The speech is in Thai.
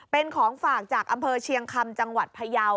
เป็นของฝากจากอำเภอเชียงคำจังหวัดพยาว